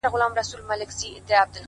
• پرون مي دومره اوښكي توى كړې گراني،